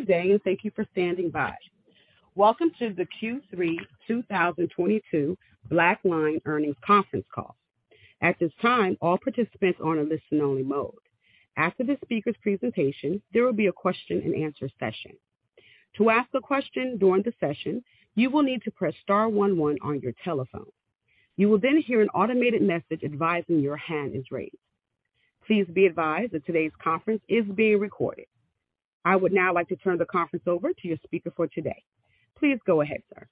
Good day, and thank you for standing by. Welcome to the Q3 2022 BlackLine earnings conference call. At this time, all participants are on a listen-only mode. After the speaker's presentation, there will be a question and answer session. To ask a question during the session, you will need to press star one one on your telephone. You will then hear an automated message advising that your hand is raised. Please be advised that today's conference is being recorded. I would now like to turn the conference over to your speaker for today. Please go ahead, sir.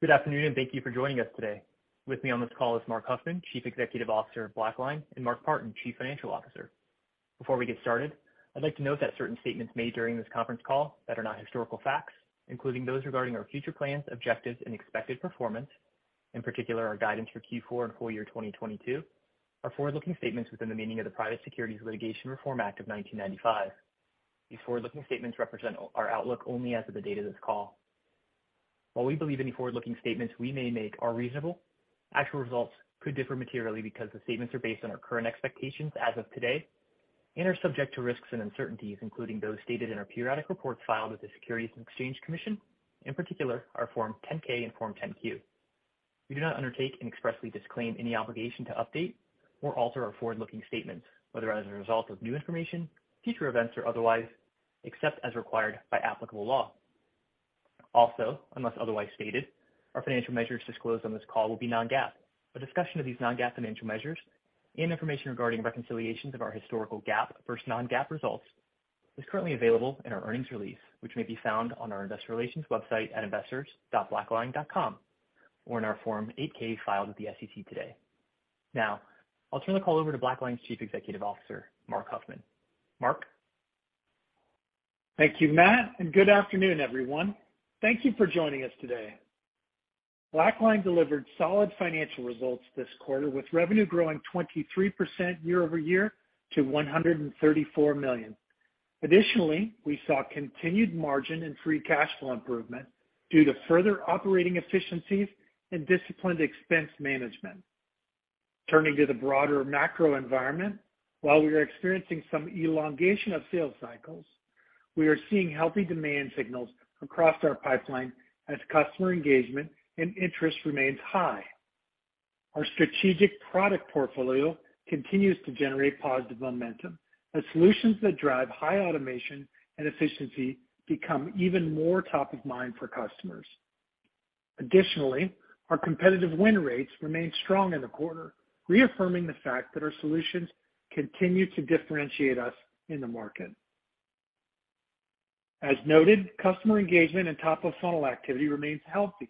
Good afternoon, and thank you for joining us today. With me on this call is Marc Huffman, Chief Executive Officer of BlackLine, and Mark Partin, Chief Financial Officer. Before we get started, I'd like to note that certain statements made during this conference call that are not historical facts, including those regarding our future plans, objectives, and expected performance, in particular, our guidance for Q4 and full-year 2022, are forward-looking statements within the meaning of the Private Securities Litigation Reform Act of 1995. These forward-looking statements represent our outlook only as of the date of this call. While we believe any forward-looking statements we may make are reasonable, actual results could differ materially because the statements are based on our current expectations as of today and are subject to risks and uncertainties, including those stated in our periodic reports filed with the Securities and Exchange Commission, in particular, our Form 10-K and Form 10-Q. We do not undertake and expressly disclaim any obligation to update or alter our forward-looking statements, whether as a result of new information, future events or otherwise, except as required by applicable law. Also, unless otherwise stated, our financial measures disclosed on this call will be non-GAAP. A discussion of these non-GAAP financial measures and information regarding reconciliations of our historical GAAP versus non-GAAP results is currently available in our earnings release, which may be found on our investor relations website at investors.blackline.com or in our Form 8-K filed with the SEC today. Now I'll turn the call over to BlackLine's Chief Executive Officer, Marc Huffman. Marc? Thank you, Matt, and good afternoon, everyone. Thank you for joining us today. BlackLine delivered solid financial results this quarter, with revenue growing 23% year-over-year to $134 million. Additionally, we saw continued margin and free cash flow improvement due to further operating efficiencies and disciplined expense management. Turning to the broader macro environment, while we are experiencing some elongation of sales cycles, we are seeing healthy demand signals across our pipeline as customer engagement and interest remains high. Our strategic product portfolio continues to generate positive momentum as solutions that drive high automation and efficiency become even more top of mind for customers. Additionally, our competitive win rates remained strong in the quarter, reaffirming the fact that our solutions continue to differentiate us in the market. As noted, customer engagement and top of funnel activity remains healthy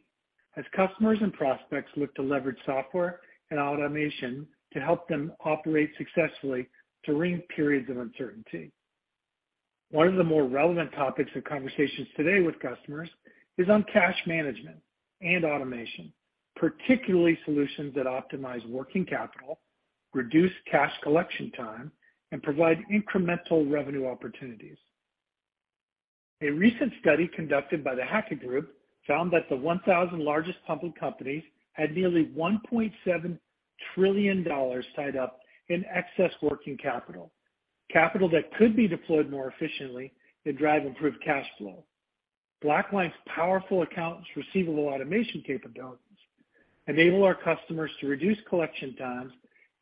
as customers and prospects look to leverage software and automation to help them operate successfully during periods of uncertainty. One of the more relevant topics of conversations today with customers is on cash management and automation, particularly solutions that optimize working capital, reduce cash collection time, and provide incremental revenue opportunities. A recent study conducted by The Hackett Group found that the 1,000 largest public companies had nearly $1.7 trillion tied up in excess working capital that could be deployed more efficiently and drive improved cash flow. BlackLine's powerful accounts receivable automation capabilities enable our customers to reduce collection times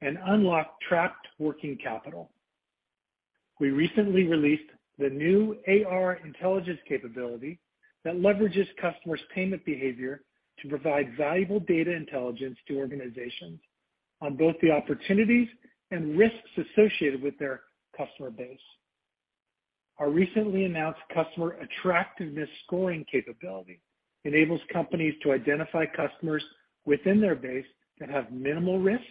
and unlock trapped working capital. We recently released the new AR Intelligence capability that leverages customers' payment behavior to provide valuable data intelligence to organizations on both the opportunities and risks associated with their customer base. Our recently announced Customer Attractiveness Scoring capability enables companies to identify customers within their base that have minimal risk,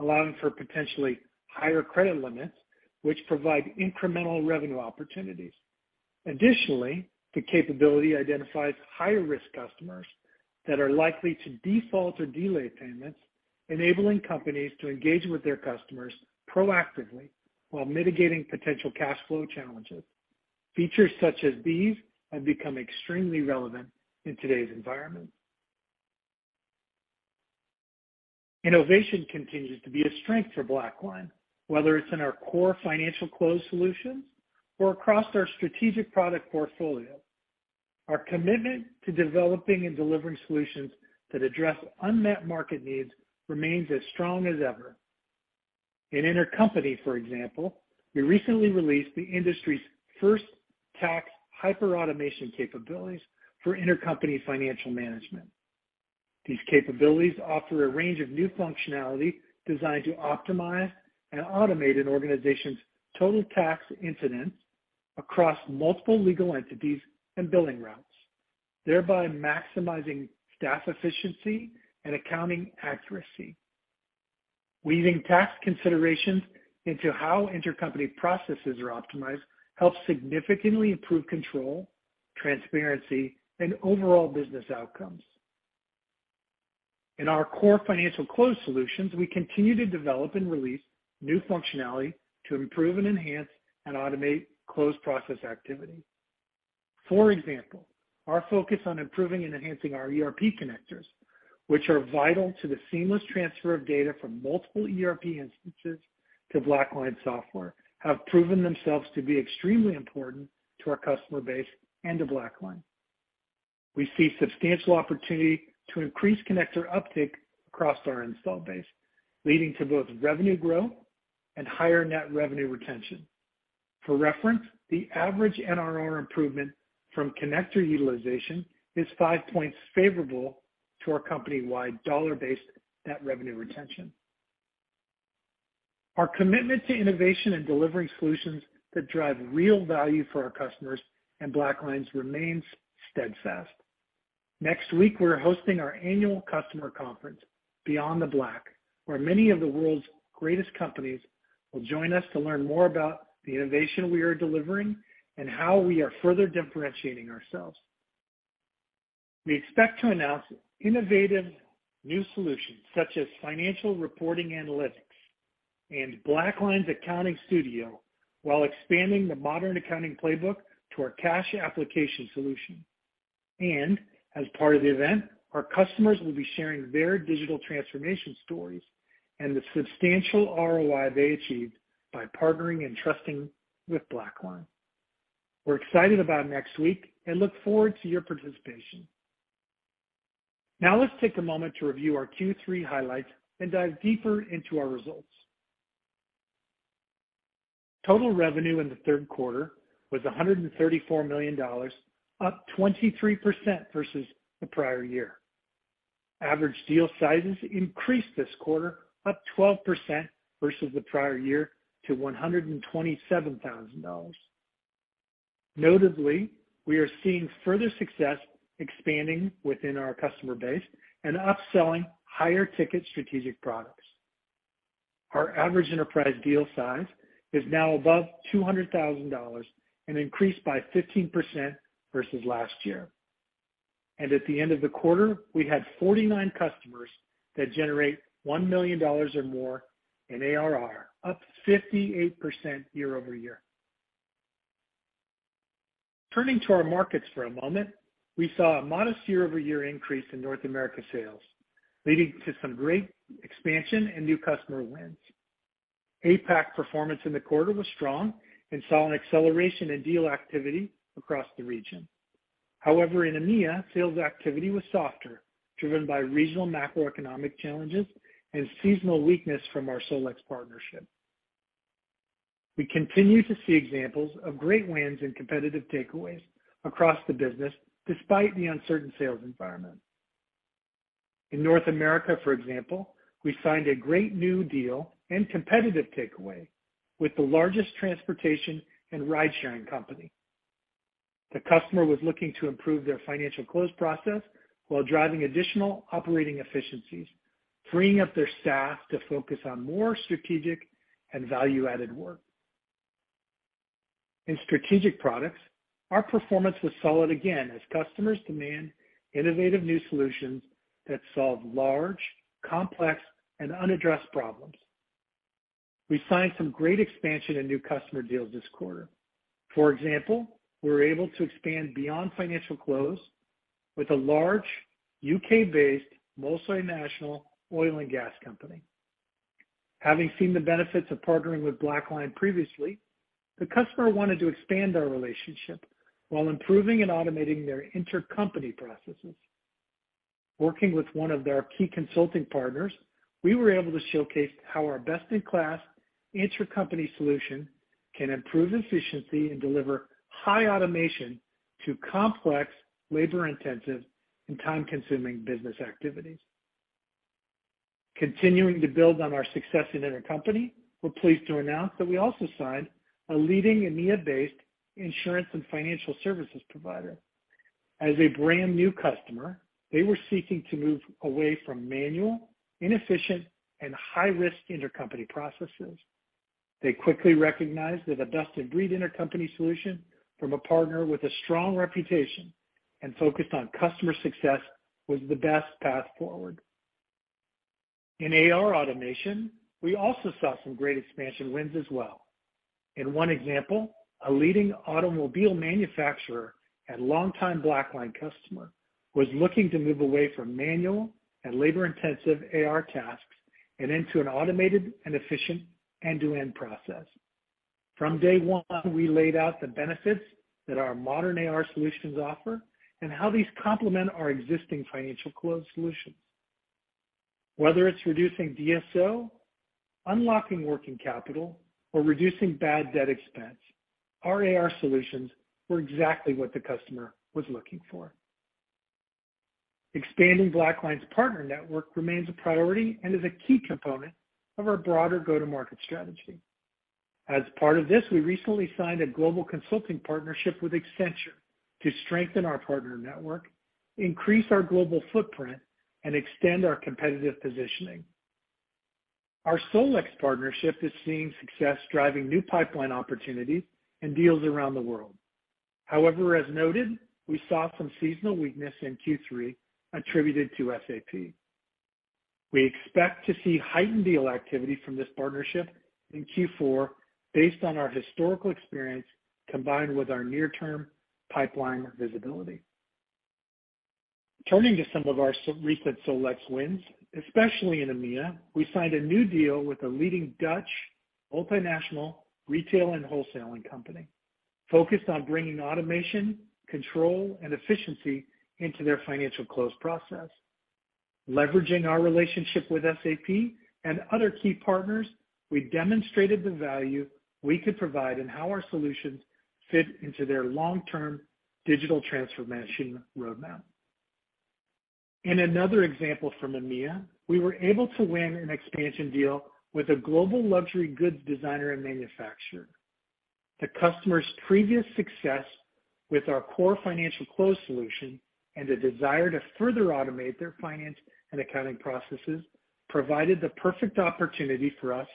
allowing for potentially higher credit limits, which provide incremental revenue opportunities. Additionally, the capability identifies higher risk customers that are likely to default or delay payments, enabling companies to engage with their customers proactively while mitigating potential cash flow challenges. Features such as these have become extremely relevant in today's environment. Innovation continues to be a strength for BlackLine, whether it's in our core financial close solutions or across our strategic product portfolio. Our commitment to developing and delivering solutions that address unmet market needs remains as strong as ever. In Intercompany, for example, we recently released the industry's first tax hyper-automation capabilities for Intercompany Financial Management. These capabilities offer a range of new functionality designed to optimize and automate an organization's total tax incidence across multiple legal entities and billing routes, thereby maximizing staff efficiency and accounting accuracy. Weaving tax considerations into how intercompany processes are optimized helps significantly improve control, transparency, and overall business outcomes. In our core financial close solutions, we continue to develop and release new functionality to improve and enhance and automate close process activity. For example, our focus on improving and enhancing our ERP connectors, which are vital to the seamless transfer of data from multiple ERP instances to BlackLine software, have proven themselves to be extremely important to our customer base and to BlackLine. We see substantial opportunity to increase connector uptick across our install base, leading to both revenue growth and higher net revenue retention. For reference, the average NRR improvement from connector utilization is 5 points favorable to our company-wide dollar-based net revenue retention. Our commitment to innovation and delivering solutions that drive real value for our customers and BlackLine's remains steadfast. Next week, we're hosting our annual customer conference, BeyondTheBlack, where many of the world's greatest companies will join us to learn more about the innovation we are delivering and how we are further differentiating ourselves. We expect to announce innovative new solutions such as Financial Reporting Analytics and BlackLine Accounting Studio, while expanding the Modern Accounting Playbook to our BlackLine Cash Application. As part of the event, our customers will be sharing their digital transformation stories and the substantial ROI they achieved by partnering and trusting with BlackLine. We're excited about next week and look forward to your participation. Now let's take a moment to review our Q3 highlights and dive deeper into our results. Total revenue in the third quarter was $134 million, up 23% versus the prior year. Average deal sizes increased this quarter, up 12% versus the prior year to $127,000. Notably, we are seeing further success expanding within our customer base and upselling higher ticket strategic products. Our average enterprise deal size is now above $200,000 and increased by 15% versus last year. At the end of the quarter, we had 49 customers that generate $1 million or more in ARR, up 58% year-over-year. Turning to our markets for a moment, we saw a modest year-over-year increase in North America sales, leading to some great expansion and new customer wins. APAC performance in the quarter was strong and saw an acceleration in deal activity across the region. However, in EMEA, sales activity was softer, driven by regional macroeconomic challenges and seasonal weakness from our SolEx partnership. We continue to see examples of great wins and competitive takeaways across the business despite the uncertain sales environment. In North America, for example, we signed a great new deal and competitive takeaway with the largest transportation and ride-sharing company. The customer was looking to improve their financial close process while driving additional operating efficiencies, freeing up their staff to focus on more strategic and value-added work. In strategic products, our performance was solid again as customers demand innovative new solutions that solve large, complex, and unaddressed problems. We signed some great expansion and new customer deals this quarter. For example, we were able to expand beyond financial close with a large UK-based, mostly national oil and gas company. Having seen the benefits of partnering with BlackLine previously, the customer wanted to expand our relationship while improving and automating their intercompany processes. Working with one of their key consulting partners, we were able to showcase how our best-in-class intercompany solution can improve efficiency and deliver high automation to complex, labor-intensive, and time-consuming business activities. Continuing to build on our success in intercompany, we're pleased to announce that we also signed a leading EMEA-based insurance and financial services provider. As a brand-new customer, they were seeking to move away from manual, inefficient, and high-risk intercompany processes. They quickly recognized that a best-in-breed intercompany solution from a partner with a strong reputation and focused on customer success was the best path forward. In AR automation, we also saw some great expansion wins as well. In one example, a leading automobile manufacturer and longtime BlackLine customer was looking to move away from manual and labor-intensive AR tasks and into an automated and efficient end-to-end process. From day one, we laid out the benefits that our modern AR solutions offer and how these complement our existing financial close solutions. Whether it's reducing DSO, unlocking working capital, or reducing bad debt expense, our AR solutions were exactly what the customer was looking for. Expanding BlackLine's partner network remains a priority and is a key component of our broader go-to-market strategy. As part of this, we recently signed a global consulting partnership with Accenture to strengthen our partner network, increase our global footprint, and extend our competitive positioning. Our SolEx partnership is seeing success driving new pipeline opportunities and deals around the world. However, as noted, we saw some seasonal weakness in Q3 attributed to SAP. We expect to see heightened deal activity from this partnership in Q4 based on our historical experience combined with our near-term pipeline visibility. Turning to some of our so recent SolEx wins, especially in EMEA, we signed a new deal with a leading Dutch multinational retail and wholesaling company focused on bringing automation, control, and efficiency into their financial close process. Leveraging our relationship with SAP and other key partners, we demonstrated the value we could provide and how our solutions fit into their long-term digital transformation roadmap. In another example from EMEA, we were able to win an expansion deal with a global luxury goods designer and manufacturer. The customer's previous success with our core financial close solution and the desire to further automate their finance and accounting processes provided the perfect opportunity for us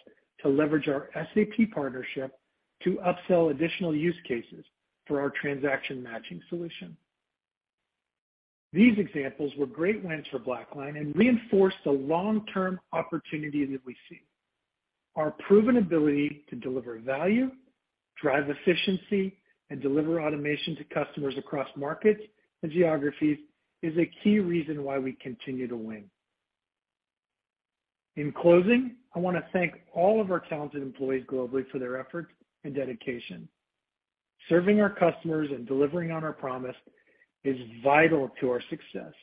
to leverage our SAP partnership to upsell additional use cases for our transaction matching solution. These examples were great wins for BlackLine and reinforce the long-term opportunity that we see. Our proven ability to deliver value, drive efficiency, and deliver automation to customers across markets and geographies is a key reason why we continue to win. In closing, I wanna thank all of our talented employees globally for their efforts and dedication. Serving our customers and delivering on our promise is vital to our success.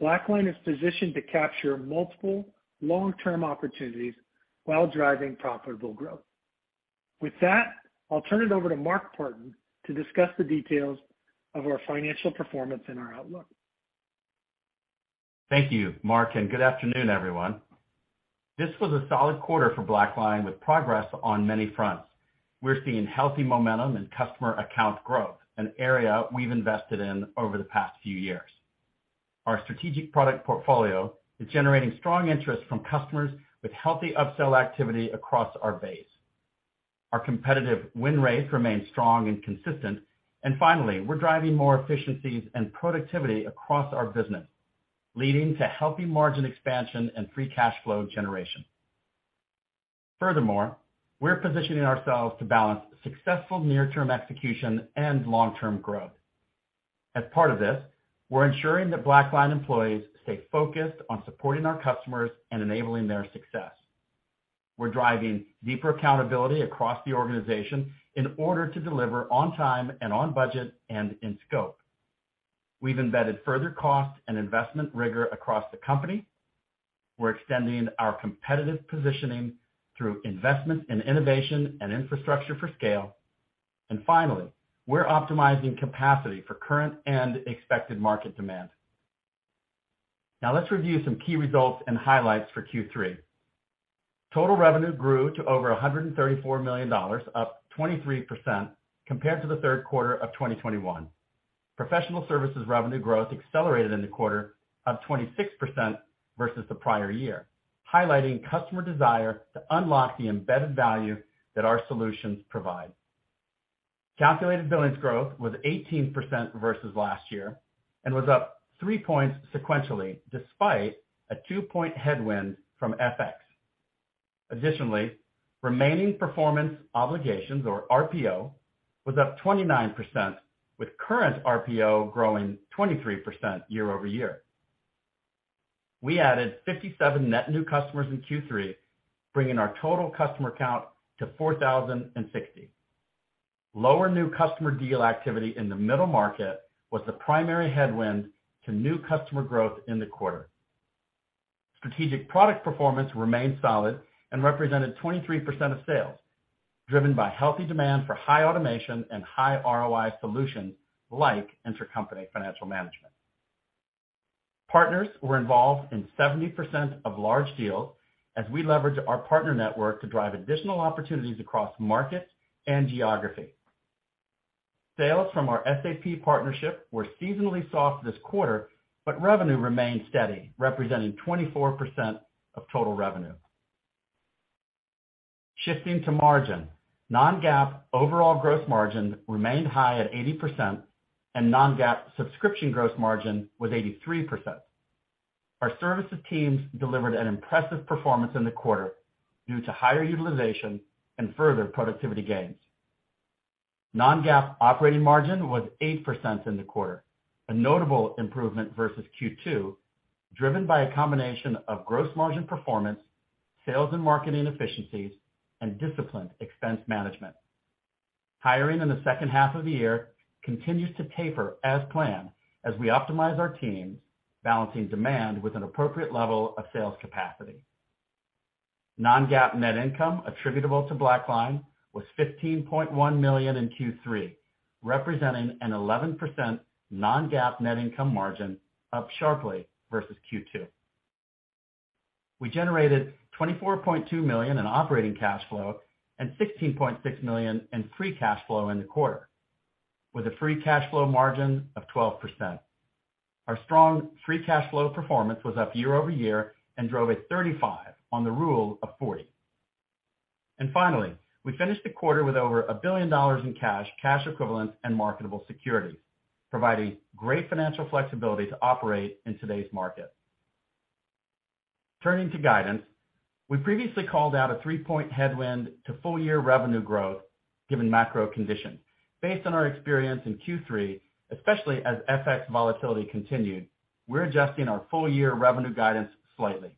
BlackLine is positioned to capture multiple long-term opportunities while driving profitable growth. With that, I'll turn it over to Mark Partin to discuss the details of our financial performance and our outlook. Thank you, Marc, and good afternoon, everyone. This was a solid quarter for BlackLine with progress on many fronts. We're seeing healthy momentum and customer account growth, an area we've invested in over the past few years. Our strategic product portfolio is generating strong interest from customers with healthy upsell activity across our base. Our competitive win rates remain strong and consistent. Finally, we're driving more efficiencies and productivity across our business, leading to healthy margin expansion and free cash flow generation. Furthermore, we're positioning ourselves to balance successful near-term execution and long-term growth. As part of this, we're ensuring that BlackLine employees stay focused on supporting our customers and enabling their success. We're driving deeper accountability across the organization in order to deliver on time and on budget and in scope. We've embedded further cost and investment rigor across the company. We're extending our competitive positioning through investment in innovation and infrastructure for scale. Finally, we're optimizing capacity for current and expected market demand. Now, let's review some key results and highlights for Q3. Total revenue grew to over $134 million, up 23% compared to the third quarter of 2021. Professional services revenue growth accelerated to 26% versus the prior year, highlighting customer desire to unlock the embedded value that our solutions provide. Calculated billings growth was 18% versus last year and was up 3 points sequentially, despite a 2 point headwind from FX. Additionally, remaining performance obligations or RPO was up 29% with current RPO growing 23% year-over-year. We added 57 net new customers in Q3, bringing our total customer count to 4,060. Lower new customer deal activity in the middle market was the primary headwind to new customer growth in the quarter. Strategic product performance remained solid and represented 23% of sales, driven by healthy demand for high automation and high ROI solutions like Intercompany Financial Management. Partners were involved in 70% of large deals as we leverage our partner network to drive additional opportunities across markets and geography. Sales from our SAP partnership were seasonally soft this quarter, but revenue remained steady, representing 24% of total revenue. Shifting to margin, non-GAAP overall gross margin remained high at 80%, and non-GAAP subscription gross margin was 83%. Our services teams delivered an impressive performance in the quarter due to higher utilization and further productivity gains. non-GAAP operating margin was 8% in the quarter, a notable improvement versus Q2, driven by a combination of gross margin performance, sales and marketing efficiencies, and disciplined expense management. Hiring in the second half of the year continues to taper as planned as we optimize our teams, balancing demand with an appropriate level of sales capacity. non-GAAP net income attributable to BlackLine was $15.1 million in Q3, representing an 11% non-GAAP net income margin, up sharply versus Q2. We generated $24.2 million in operating cash flow and $16.6 million in free cash flow in the quarter, with a free cash flow margin of 12%. Our strong free cash flow performance was up year over year and drove a 35 on the Rule of 40. Finally, we finished the quarter with over $1 billion in cash equivalents, and marketable securities, providing great financial flexibility to operate in today's market. Turning to guidance, we previously called out a 3 point headwind to full-year revenue growth given macro conditions. Based on our experience in Q3, especially as FX volatility continued, we're adjusting our full-year revenue guidance slightly.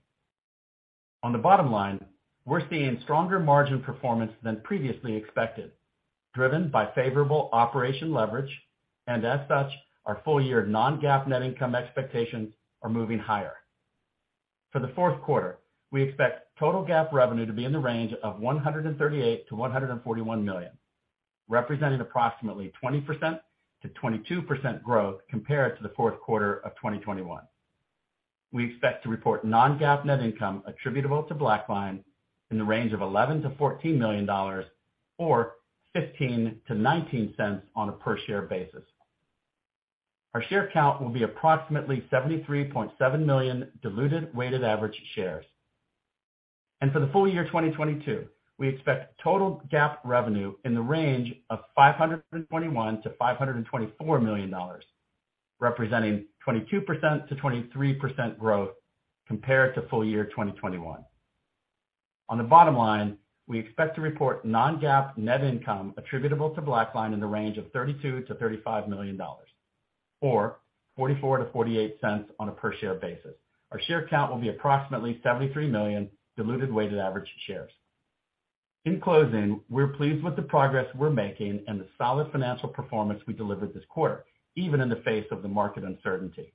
On the bottom line, we're seeing stronger margin performance than previously expected, driven by favorable operational leverage, and as such, our full-year non-GAAP net income expectations are moving higher. For the fourth quarter, we expect total GAAP revenue to be in the range of $138 million-$141 million, representing approximately 20%-22% growth compared to the fourth quarter of 2021. We expect to report non-GAAP net income attributable to BlackLine in the range of $11 million-$14 million or $0.15-$0.19 on a per-share basis. Our share count will be approximately 73.7 million diluted weighted average shares. For the full-year 2022, we expect total GAAP revenue in the range of $521 million-$524 million, representing 22%-23% growth compared to full-year 2021. On the bottom line, we expect to report non-GAAP net income attributable to BlackLine in the range of $32 million-$35 million or $0.44-$0.48 on a per-share basis. Our share count will be approximately 73 million diluted weighted average shares. In closing, we're pleased with the progress we're making and the solid financial performance we delivered this quarter, even in the face of the market uncertainty.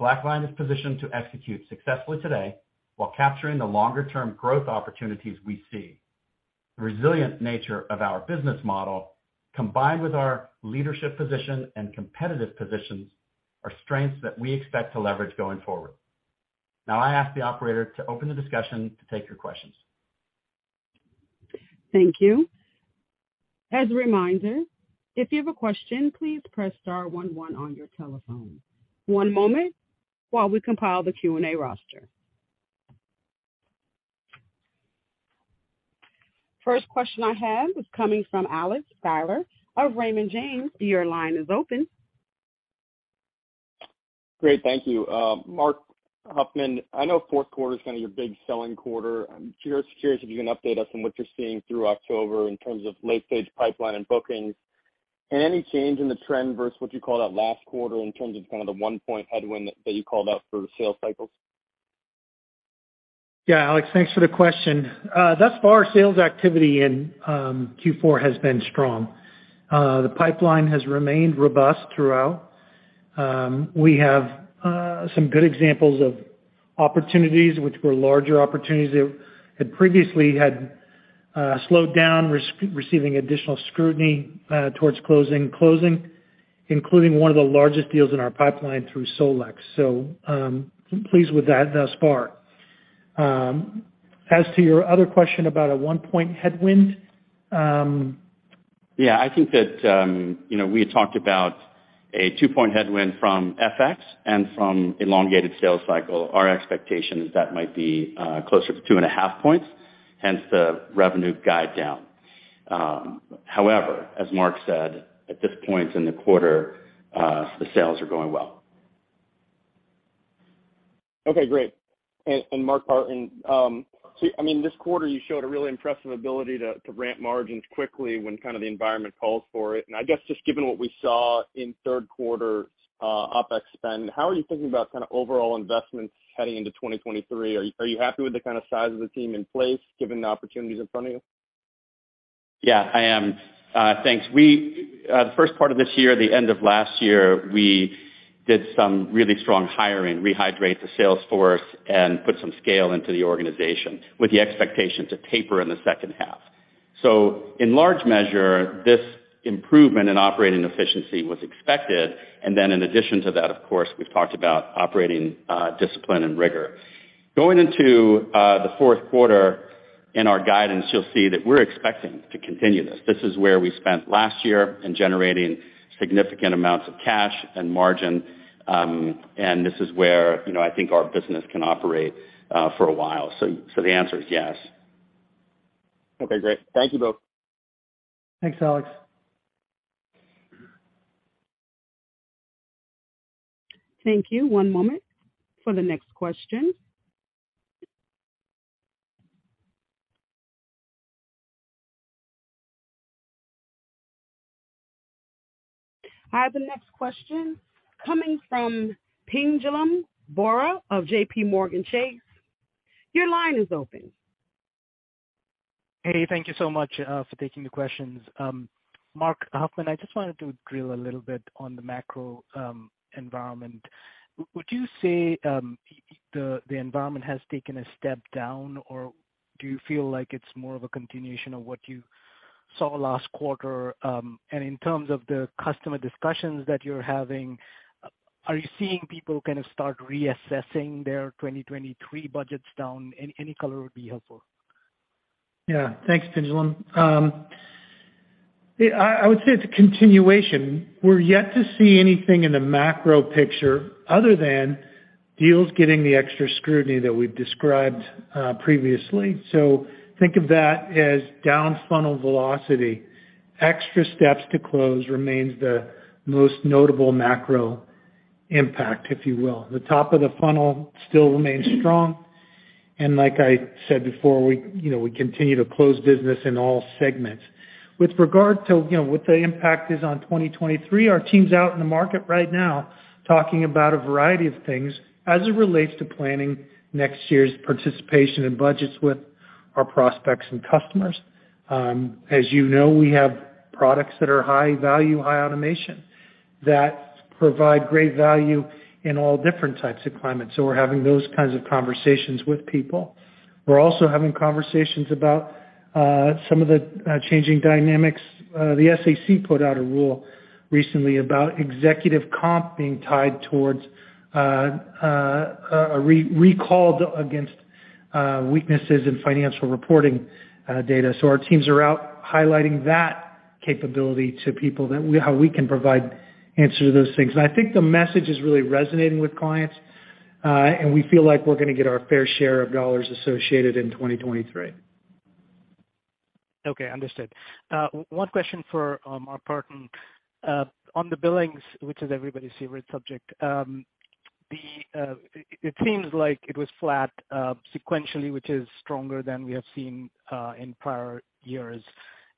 BlackLine is positioned to execute successfully today while capturing the longer-term growth opportunities we see. The resilient nature of our business model, combined with our leadership position and competitive positions, are strengths that we expect to leverage going forward. Now I ask the operator to open the discussion to take your questions. Thank you. As a reminder, if you have a question, please press star one one on your telephone. One moment while we compile the Q&A roster. First question I have is coming from Alexander Sklar of Raymond James. Your line is open. Great. Thank you. Marc Huffman, I know fourth quarter is kind of your big selling quarter. I'm curious if you can update us on what you're seeing through October in terms of late-stage pipeline and bookings. Any change in the trend versus what you called out last quarter in terms of kind of the one point headwind that you called out for the sales cycles? Yeah, Alex, thanks for the question. Thus far, sales activity in Q4 has been strong. The pipeline has remained robust throughout. We have some good examples of opportunities which were larger opportunities that had previously had slowed down, receiving additional scrutiny towards closing, including one of the largest deals in our pipeline through SolEx. Pleased with that thus far. As to your other question about a 1 point headwind. Yeah, I think that, you know, we had talked about a 2 point headwind from FX and from elongated sales cycle. Our expectation is that might be closer to 2.5 points, hence the revenue guide down. However, as Mark said, at this point in the quarter, the sales are going well. Okay, great. Mark Partin, I mean, this quarter you showed a really impressive ability to ramp margins quickly when kind of the environment calls for it. I guess just given what we saw in third quarter, OPEX spend, how are you thinking about kind of overall investments heading into 2023? Are you happy with the kind of size of the team in place given the opportunities in front of you? Yeah, I am. Thanks. The first part of this year, the end of last year, we did some really strong hiring, rehydrate the sales force, and put some scale into the organization with the expectation to taper in the second half. In large measure, this improvement in operating efficiency was expected. In addition to that, of course, we've talked about operating discipline and rigor. Going into the fourth quarter in our guidance, you'll see that we're expecting to continue this. This is where we spent last year in generating significant amounts of cash and margin, and this is where, you know, I think our business can operate for a while. The answer is yes. Okay, great. Thank you both. Thanks, Alex. Thank you. One moment for the next question. I have the next question coming from Pinjalim Bora of JPMorgan Chase. Your line is open. Hey, thank you so much for taking the questions. Marc Huffman, I just wanted to drill a little bit on the macro environment. Would you say the environment has taken a step down, or do you feel like it's more of a continuation of what you saw last quarter? In terms of the customer discussions that you're having, are you seeing people kind of start reassessing their 2023 budgets down? Any color would be helpful. Yeah. Thanks, Pinjalim. I would say it's a continuation. We're yet to see anything in the macro picture other than deals getting the extra scrutiny that we've described previously. Think of that as down funnel velocity. Extra steps to close remains the most notable macro impact, if you will. The top of the funnel still remains strong, and like I said before, we, you know, we continue to close business in all segments. With regard to, you know, what the impact is on 2023, our team's out in the market right now talking about a variety of things as it relates to planning next year's participation and budgets with our prospects and customers. As you know, we have products that are high value, high automation that provide great value in all different types of climates, so we're having those kinds of conversations with people. We're also having conversations about some of the changing dynamics. The SEC put out a rule recently about executive comp being tied towards clawback against weaknesses in financial reporting data. Our teams are out highlighting that capability to people, how we can provide answers to those things. I think the message is really resonating with clients, and we feel like we're gonna get our fair share of dollars associated in 2023. Okay. Understood. One question for Mark Partin. On the billings, which is everybody's favorite subject, it seems like it was flat sequentially, which is stronger than we have seen in prior years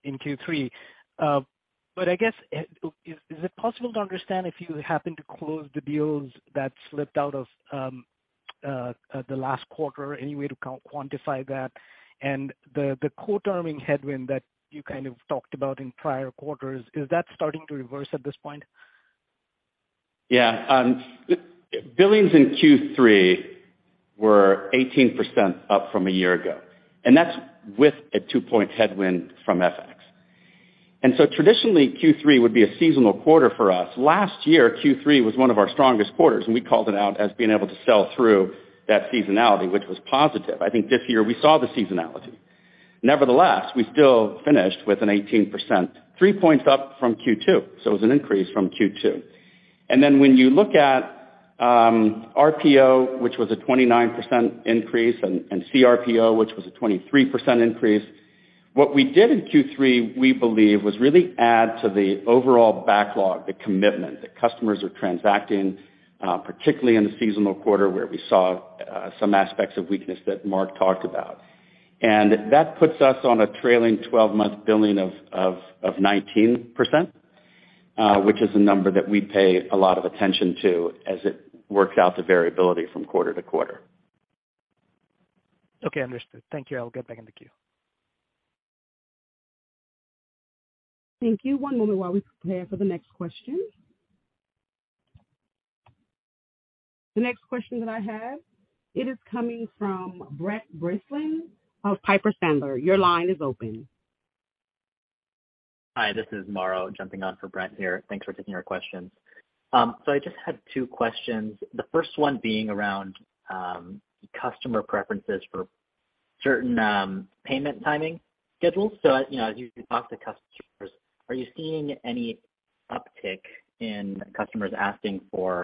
in Q3. I guess, is it possible to understand if you happen to close the deals that slipped out of the last quarter, any way to quantify that? The co-terming headwind that you kind of talked about in prior quarters, is that starting to reverse at this point? Yeah. Billings in Q3 were 18% up from a year ago, and that's with a 2 point headwind from FX. Traditionally, Q3 would be a seasonal quarter for us. Last year, Q3 was one of our strongest quarters, and we called it out as being able to sell through that seasonality, which was positive. I think this year we saw the seasonality. Nevertheless, we still finished with an 18%, 3 points up from Q2. It was an increase from Q2. When you look at RPO, which was a 29% increase, and CRPO, which was a 23% increase, what we did in Q3, we believe, was really add to the overall backlog, the commitment that customers are transacting, particularly in the seasonal quarter where we saw some aspects of weakness that Marc talked about. That puts us on a trailing 12 month billing of 19%, which is a number that we pay a lot of attention to as it works out the variability from quarter to quarter. Okay. Understood. Thank you. I'll get back in the queue. Thank you. One moment while we prepare for the next question. The next question that I have, it is coming from Brent Bracelin of Piper Sandler. Your line is open. Hi, this is Mauro jumping on for Brent here. Thanks for taking our questions. I just had two questions. The first one being around customer preferences for certain payment timing schedules. You know, as you talk to customers, are you seeing any uptick in customers asking for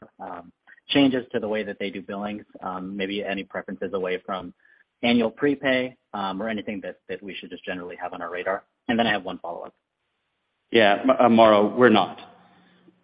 changes to the way that they do billings, maybe any preferences away from annual prepay, or anything that we should just generally have on our radar? I have one follow-up. Yeah. Mauro, we're not.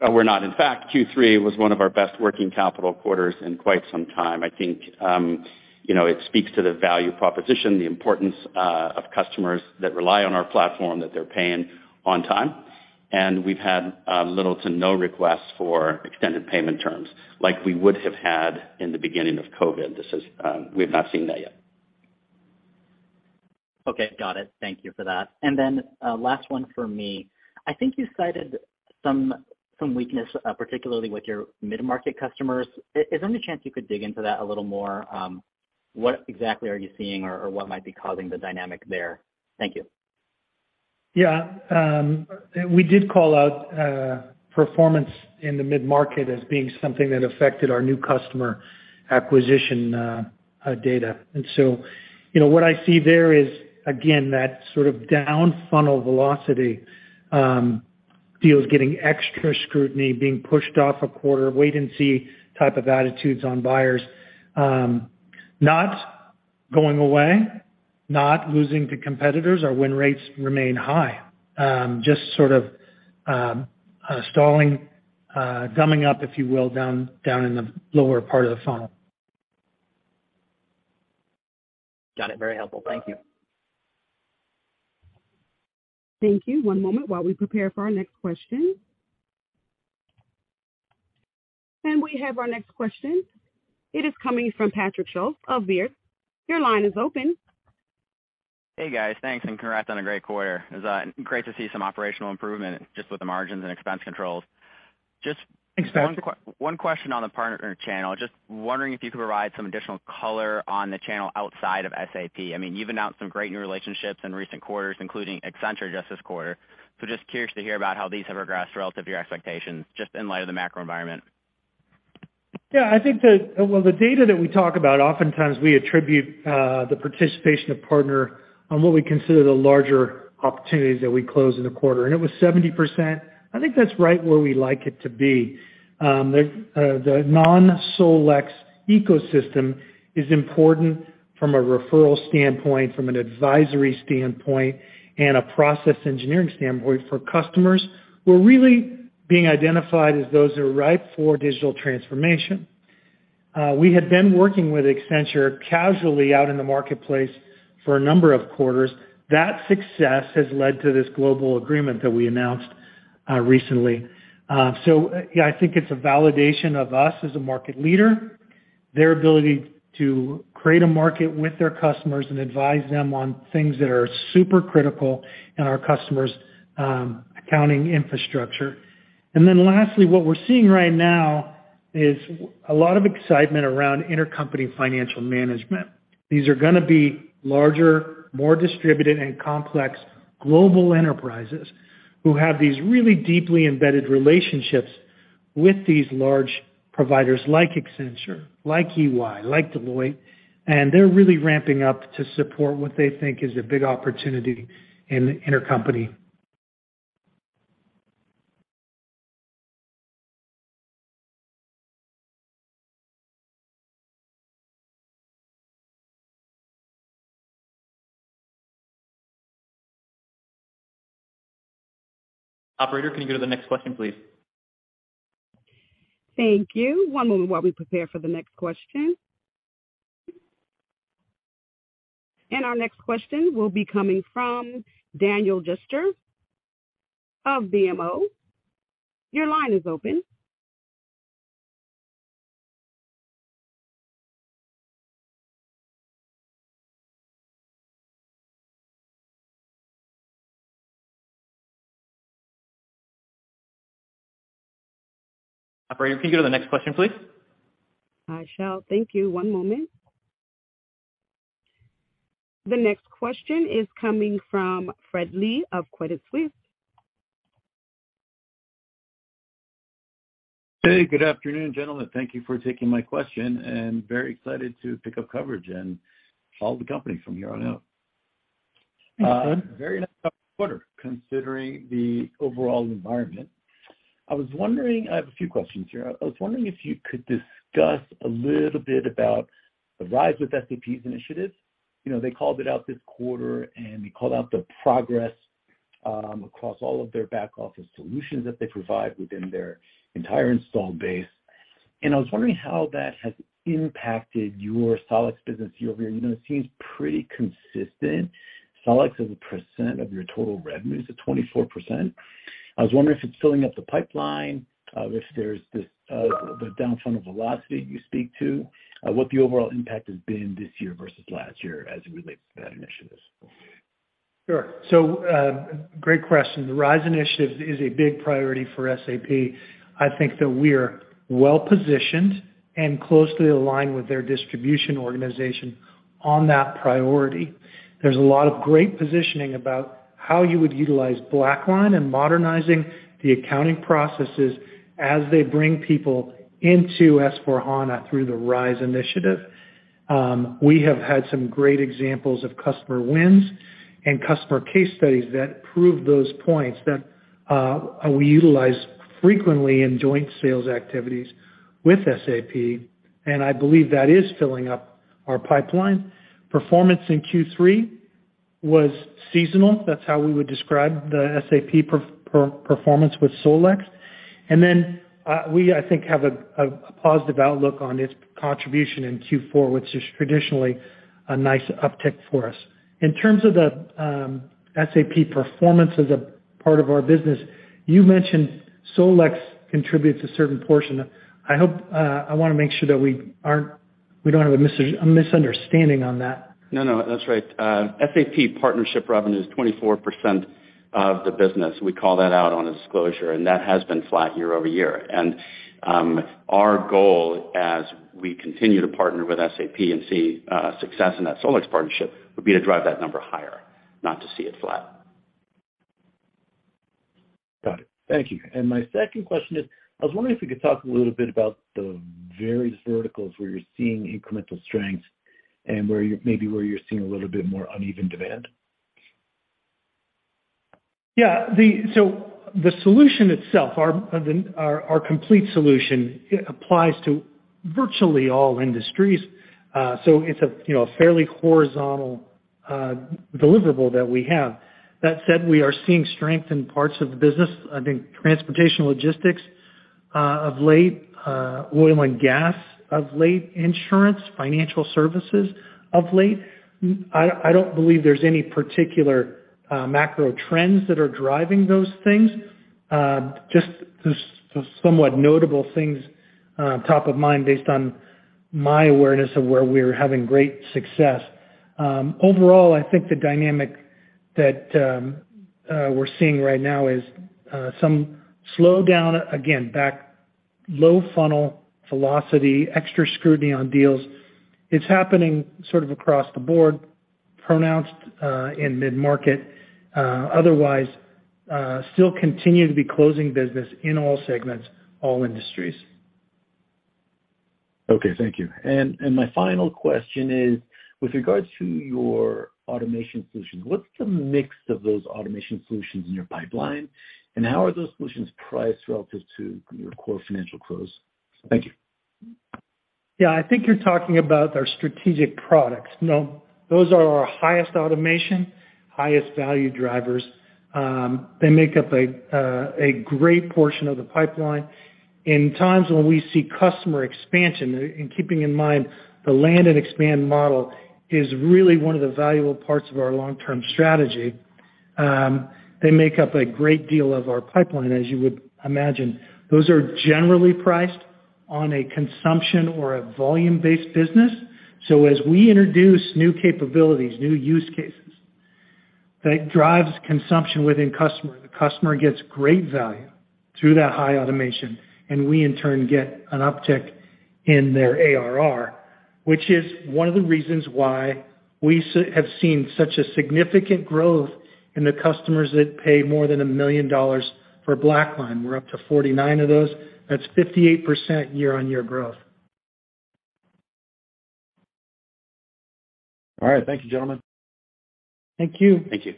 In fact, Q3 was one of our best working capital quarters in quite some time. I think, you know, it speaks to the value proposition, the importance, of customers that rely on our platform, that they're paying on time. We've had little to no requests for extended payment terms like we would have had in the beginning of COVID. We have not seen that yet. Okay. Got it. Thank you for that. Last one for me. I think you cited some weakness, particularly with your mid-market customers. Is there any chance you could dig into that a little more? What exactly are you seeing or what might be causing the dynamic there? Thank you. Yeah. We did call out performance in the mid-market as being something that affected our new customer acquisition data. You know, what I see there is, again, that sort of down funnel velocity, deals getting extra scrutiny, being pushed off a quarter, wait-and-see type of attitudes on buyers. Not going away, not losing to competitors. Our win rates remain high. Just sort of stalling, gumming up, if you will, down in the lower part of the funnel. Got it. Very helpful. Thank you. Thank you. One moment while we prepare for our next question. We have our next question. It is coming from Patrick Schulz of Baird. Your line is open. Hey, guys. Thanks, and congrats on a great quarter. It's great to see some operational improvement just with the margins and expense controls. Expenses? One question on the partner channel. Just wondering if you could provide some additional color on the channel outside of SAP. I mean, you've announced some great new relationships in recent quarters, including Accenture just this quarter. Just curious to hear about how these have progressed relative to your expectations, just in light of the macro environment. Yeah, I think that, the data that we talk about, oftentimes we attribute the participation of partner on what we consider the larger opportunities that we close in a quarter, and it was 70%. I think that's right where we like it to be. The non-SolEx ecosystem is important from a referral standpoint, from an advisory standpoint, and a process engineering standpoint for customers who are really being identified as those who are ripe for digital transformation. We had been working with Accenture casually out in the marketplace for a number of quarters. That success has led to this global agreement that we announced recently. I think it's a validation of us as a market leader, their ability to create a market with their customers and advise them on things that are super critical in our customers' accounting infrastructure. Lastly, what we're seeing right now is a lot of excitement around Intercompany Financial Management. These are gonna be larger, more distributed and complex global enterprises who have these really deeply embedded relationships with these large providers like Accenture, like EY, like Deloitte, and they're really ramping up to support what they think is a big opportunity in Intercompany. Operator, can you go to the next question, please? Thank you. One moment while we prepare for the next question. Our next question will be coming from Daniel Jester of BMO. Your line is open. Operator, can you go to the next question, please? I shall. Thank you. One moment. The next question is coming from Fred Lee of Credit Suisse. Hey, good afternoon, gentlemen. Thank you for taking my question. Very excited to pick up coverage and follow the company from here on out. Hi, Fred. Very nice quarter considering the overall environment. I was wondering. I have a few questions here. I was wondering if you could discuss a little bit about the RISE with SAP's initiative. You know, they called it out this quarter, and they called out the progress across all of their back-office solutions that they provide within their entire install base. I was wondering how that has impacted your SolEx business year-over-year. Even though it seems pretty consistent, SolEx as a percent of your total revenue is at 24%. I was wondering if it's filling up the pipeline, if there's this, the down funnel velocity you speak to, what the overall impact has been this year versus last year as it relates to that initiative. Great question. The RISE initiative is a big priority for SAP. I think that we're well-positioned and closely aligned with their distribution organization on that priority. There's a lot of great positioning about how you would utilize BlackLine in modernizing the accounting processes as they bring people into S/4HANA through the RISE initiative. We have had some great examples of customer wins and customer case studies that prove those points that we utilize frequently in joint sales activities with SAP, and I believe that is filling up our pipeline. Performance in Q3 was seasonal. That's how we would describe the SAP performance with SolEx. We, I think, have a positive outlook on its contribution in Q4, which is traditionally a nice uptick for us. In terms of the SAP performance as a part of our business, you mentioned SolEx contributes a certain portion. I hope I wanna make sure that we don't have a misunderstanding on that. No, no, that's right. SAP partnership revenue is 24% of the business. We call that out on a disclosure, and that has been flat year-over-year. Our goal, as we continue to partner with SAP and see success in that SolEx partnership, would be to drive that number higher, not to see it flat. Got it. Thank you. My second question is, I was wondering if you could talk a little bit about the various verticals where you're seeing incremental strength and where you, maybe where you're seeing a little bit more uneven demand. Yeah. Our complete solution applies to virtually all industries. So it's a, you know, a fairly horizontal deliverable that we have. That said, we are seeing strength in parts of the business. I think transportation logistics of late, oil and gas of late, insurance, financial services of late. I don't believe there's any particular macro trends that are driving those things. Just the somewhat notable things top of mind based on my awareness of where we're having great success. Overall, I think the dynamic that we're seeing right now is some slowdown, again, back low funnel velocity, extra scrutiny on deals. It's happening sort of across the board. More pronounced in mid-market, otherwise still continue to be closing business in all segments, all industries. Okay. Thank you. My final question is, with regards to your automation solutions, what's the mix of those automation solutions in your pipeline? How are those solutions priced relative to your core financial close? Thank you. Yeah. I think you're talking about our strategic products. No, those are our highest automation, highest value drivers. They make up a great portion of the pipeline. In times when we see customer expansion, and keeping in mind the land and expand model is really one of the valuable parts of our long-term strategy, they make up a great deal of our pipeline, as you would imagine. Those are generally priced on a consumption or a volume-based business. As we introduce new capabilities, new use cases, that drives consumption within customer. The customer gets great value through that high automation, and we, in turn, get an uptick in their ARR, which is one of the reasons why we have seen such a significant growth in the customers that pay more than $1 million for BlackLine. We're up to 49 of those. That's 58% year-on-year growth. All right. Thank you, gentlemen. Thank you. Thank you.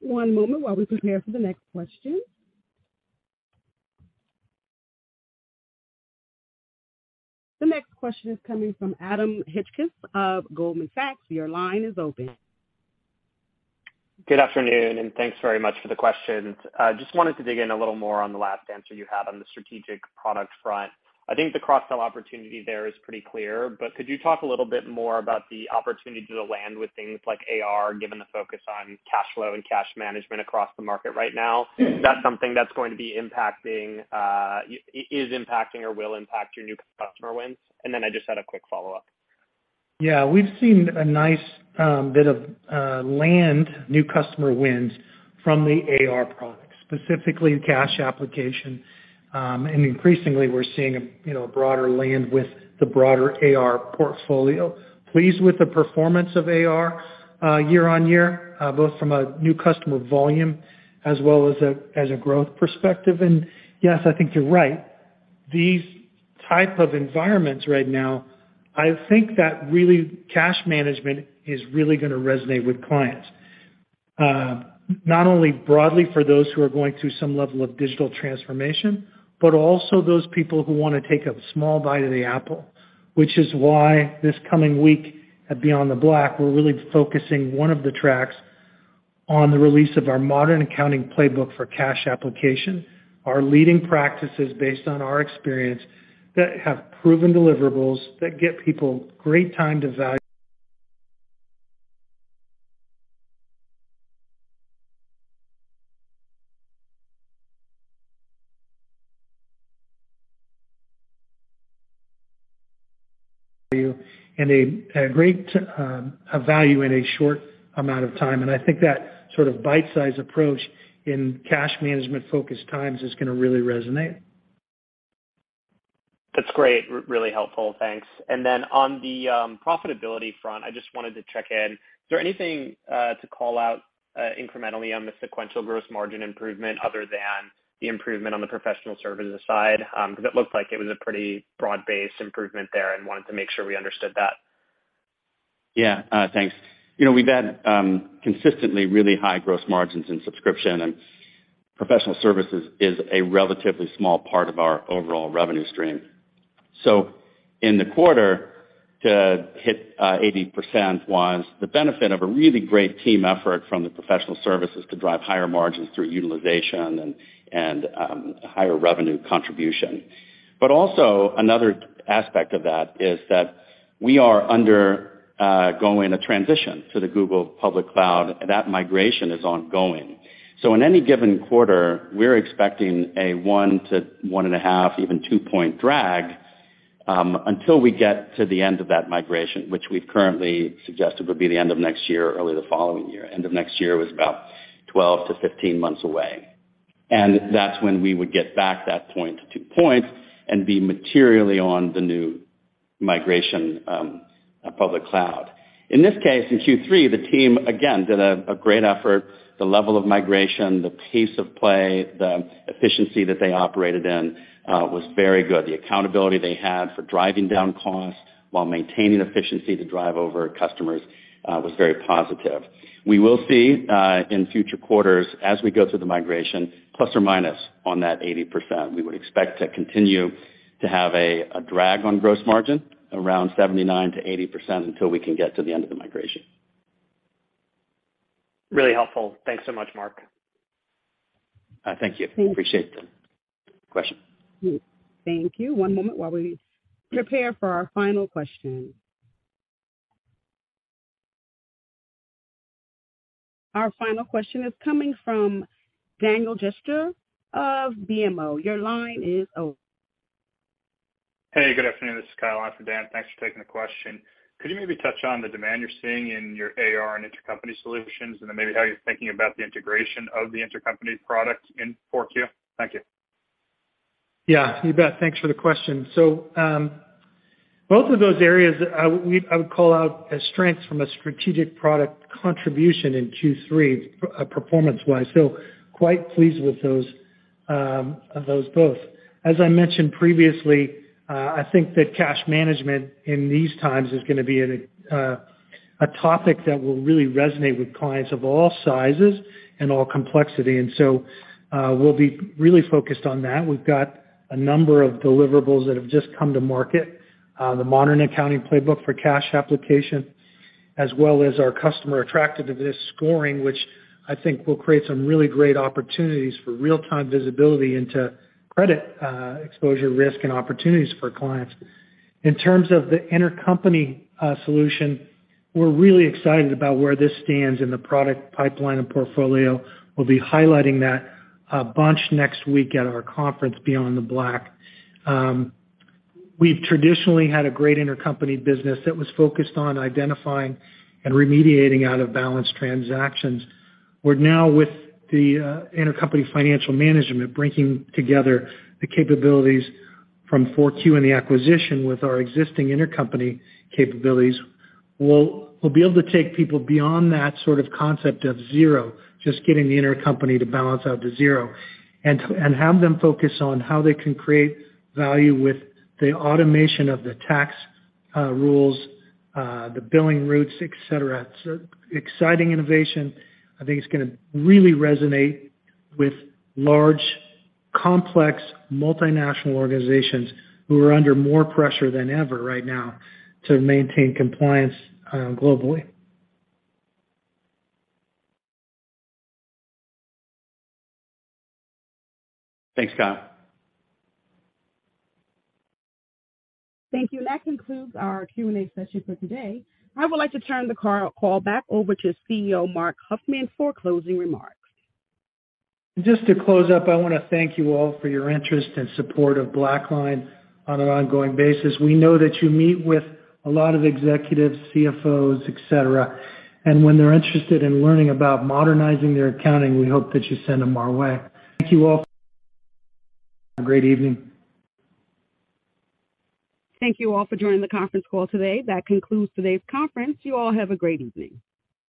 One moment while we prepare for the next question. The next question is coming from Adam Hotchkiss of Goldman Sachs. Your line is open. Good afternoon, and thanks very much for the questions. Just wanted to dig in a little more on the last answer you had on the strategic products front. I think the cross sell opportunity there is pretty clear. Could you talk a little bit more about the opportunity to land with things like AR, given the focus on cash flow and cash management across the market right now? Is that something that's going to be impacting, is impacting or will impact your new customer wins? Then I just had a quick follow-up. Yeah. We've seen a nice bit of land new customer wins from the AR products, specifically cash application. Increasingly we're seeing, you know, a broader land with the broader AR portfolio. Pleased with the performance of AR year on year, both from a new customer volume as well as a growth perspective. Yes, I think you're right. These type of environments right now, I think that really cash management is really gonna resonate with clients, not only broadly for those who are going through some level of digital transformation, but also those people who wanna take a small bite of the apple. Which is why this coming week at BeyondTheBlack, we're really focusing one of the tracks on the release of our Modern Accounting Playbook for cash application, our leading practices based on our experience that have proven deliverables that get people great time to value. A great value in a short amount of time. I think that sort of bite-size approach in cash management-focused times is gonna really resonate. That's great. Really helpful. Thanks. On the profitability front, I just wanted to check in. Is there anything to call out incrementally on the sequential gross margin improvement other than the improvement on the professional services side? Because it looked like it was a pretty broad-based improvement there and wanted to make sure we understood that. Yeah. Thanks. You know, we've had consistently really high gross margins in subscription, and professional services is a relatively small part of our overall revenue stream. In the quarter, to hit 80% was the benefit of a really great team effort from the professional services to drive higher margins through utilization and higher revenue contribution. Another aspect of that is that we are undergoing a transition to the Google public cloud. That migration is ongoing. In any given quarter, we're expecting a 1 point-1.5 point, even 2-point drag until we get to the end of that migration, which we've currently suggested would be the end of next year or early the following year. End of next year was about 12-15 months away. That's when we would get back 1.2 points and be materially on the new migration, public cloud. In this case, in Q3, the team again did a great effort. The level of migration, the pace of play, the efficiency that they operated in was very good. The accountability they had for driving down costs while maintaining efficiency to drive over customers was very positive. We will see in future quarters as we go through the migration, ± on that 80%. We would expect to continue to have a drag on gross margin around 79%-80% until we can get to the end of the migration. Really helpful. Thanks so much, Mark. Thank you. Appreciate the question. Thank you. One moment while we prepare for our final question. Our final question is coming from Daniel Jester of BMO. Your line is open. Hey, good afternoon. This is Kyle on for Dan. Thanks for taking the question. Could you maybe touch on the demand you're seeing in your AR and intercompany solutions? And then maybe how you're thinking about the integration of the intercompany product in 4Q? Thank you. Yeah, you bet. Thanks for the question. So, both of those areas I would call out as strengths from a strategic product contribution in Q3, performance-wise, so quite pleased with those both. As I mentioned previously, I think that cash management in these times is gonna be a topic that will really resonate with clients of all sizes and all complexity. We'll be really focused on that. We've got a number of deliverables that have just come to market. The Modern Accounting Playbook for cash application, as well as our Customer Attractiveness Scoring, which I think will create some really great opportunities for real-time visibility into credit exposure risk and opportunities for clients. In terms of the intercompany solution, we're really excited about where this stands in the product pipeline and portfolio. We'll be highlighting that a bunch next week at our conference, BeyondTheBlack. We've traditionally had a great intercompany business that was focused on identifying and remediating out-of-balance transactions. We're now with the Intercompany Financial Management, bringing together the capabilities from FourQ and the acquisition with our existing intercompany capabilities. We'll be able to take people beyond that sort of concept of zero, just getting the intercompany to balance out to zero and have them focus on how they can create value with the automation of the tax rules, the billing rules, et cetera. Exciting innovation. I think it's gonna really resonate with large, complex, multinational organizations who are under more pressure than ever right now to maintain compliance globally. Thanks, Kyle. Thank you. That concludes our Q&A session for today. I would like to turn the call back over to CEO Marc Huffman for closing remarks. Just to close up, I wanna thank you all for your interest and support of BlackLine on an ongoing basis. We know that you meet with a lot of executives, CFOs, et cetera. When they're interested in learning about modernizing their accounting, we hope that you send them our way. Thank you all. Have a great evening. Thank you all for joining the conference call today. That concludes today's conference. You all have a great evening.